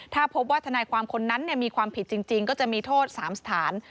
ถ้าพบว่าทนายความคนนั้นมีความผิดจริงก็จะมีโทษ๓สถาน